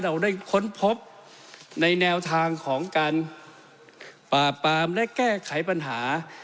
เราได้ค้นพบในแนวทางของการปราบปรามและแก้ไขปัญหา